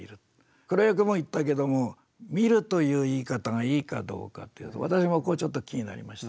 黒岩君も言ったけども「みる」という言い方がいいかどうか私もここちょっと気になりましたね。